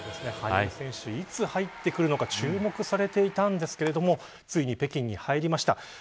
羽生選手、いつ入ってくるのか注目されていたんですけれどもついに北京に入りました。